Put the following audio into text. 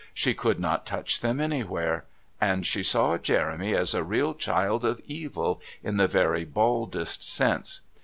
She could not touch them anywhere. And she saw Jeremy as a real child of Evil in the very baldest sense.